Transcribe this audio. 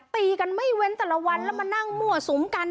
ตีกันไม่เว้นแต่ละวันแล้วมานั่งมั่วสุมกัน